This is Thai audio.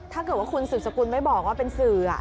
ถ้าเกิดว่าคุณสืบสกุลไม่บอกว่าเป็นสื่อ